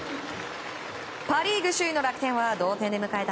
パ・リーグ首位の楽天は同点で迎えた